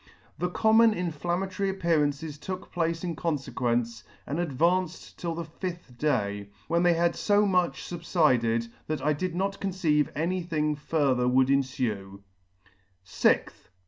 The common inflammatory appearances took place in confequence, and advanced till the fifth day, when they had fo much fubfided, that I did not conceive any thing further would enfue. 6th.